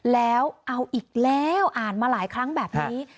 แล้วเอาอีกแล้วอ่านมาหลายครั้งแบบนี้